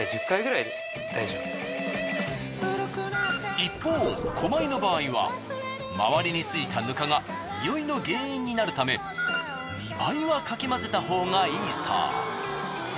一方古米の場合は周りについたヌカが臭いの原因になるため２倍はかき混ぜたほうがいいそう。